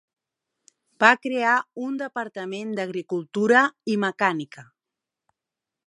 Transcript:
Va crear un departament d'agricultura i mecànica.